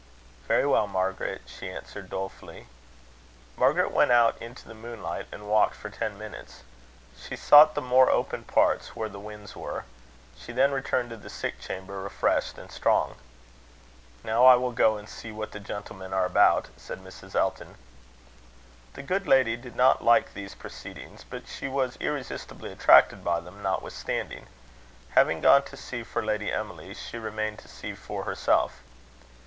"Very well, Margaret," she answered dolefully. Margaret went out into the moonlight, and walked for ten minutes. She sought the more open parts, where the winds were. She then returned to the sick chamber, refreshed and strong. "Now I will go and see what the gentlemen are about," said Mrs. Elton. The good lady did not like these proceedings, but she was irresistibly attracted by them notwithstanding. Having gone to see for Lady Emily, she remained to see for herself.